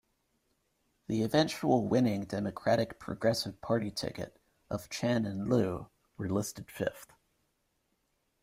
The eventual winning Democratic Progressive Party ticket of Chen and Lu were listed fifth.